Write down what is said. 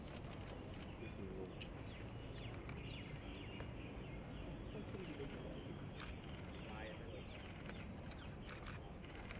อันที่สุดท้ายก็คืออันที่สุดท้ายก็คืออั